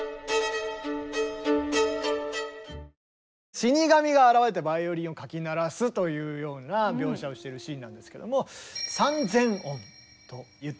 死に神が現れてバイオリンをかき鳴らすというような描写をしているシーンなんですけども。